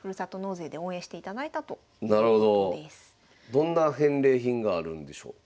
どんな返礼品があるんでしょうか。